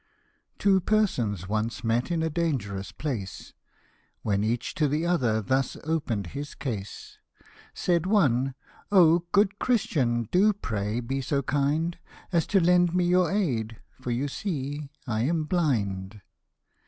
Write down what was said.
Two persons once met in a dangerous place, When each to the other thus opened his case : Said one, " Oh ! good Christian, do pray be so kind As to lend me your aid, for you see I am blind."